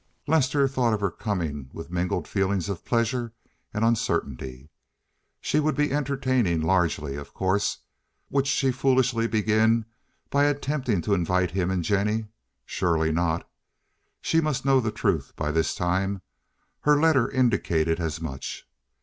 Lester thought of her coming with mingled feelings of pleasure and uncertainty. She would be entertaining largely, of course. Would she foolishly begin by attempting to invite him and Jennie? Surely not. She must know the truth by this time. Her letter indicated as much.